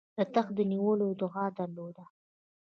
د تخت د نیولو ادعا درلوده.